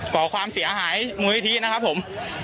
ก่อความเสียหายมือเฮทีนะครับผม